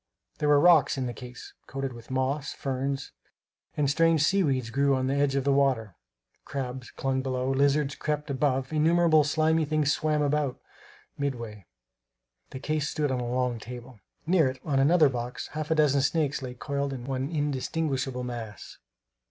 There were rocks in the case, coated with moss; ferns and strange sea weeds grew on the edge of the water; crabs clung below; lizards crept above; innumerable slimy things swam about, midway. The case stood on a long table. Near it, on another box, half a dozen snakes lay coiled into one indistinguishable mass.